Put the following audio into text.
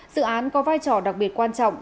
dự án có vai trò đặc biệt quan trọng